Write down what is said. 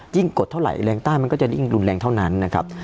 กดเท่าไหร่แรงใต้มันก็จะยิ่งรุนแรงเท่านั้นนะครับ